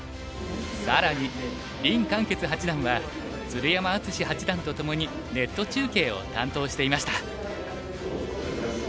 更に林漢傑八段は鶴山淳志八段とともにネット中継を担当していました。